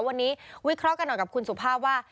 วันนี้วิเคราะห์กันหน่อยกับคุณสุภาพว่า